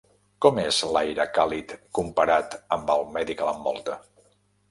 Com és l'aire càlid comparat amb el medi que l'envolta?